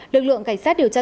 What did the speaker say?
lực lượng cảnh sát điều tra